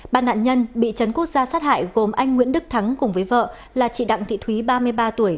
ba nạn nhân bị chấn quốc gia sát hại gồm anh nguyễn đức thắng cùng với vợ là chị đặng thị thúy ba mươi ba tuổi